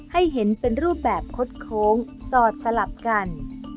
ให้เห็นเป็นรูปแบบคดโค้งสอดสลับกัน